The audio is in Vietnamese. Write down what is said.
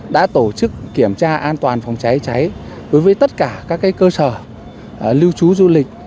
đã tổ chức kiểm tra an toàn phòng cháy cháy đối với tất cả các cơ sở lưu trú du lịch